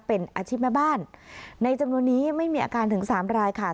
เป็นอาชีพแม่บ้านในจำนวนนี้ไม่มีอาการถึงสามรายค่ะ